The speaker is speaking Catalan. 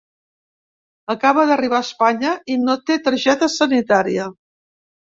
Acaba d'arribar a Espanya i no té targeta sanitària.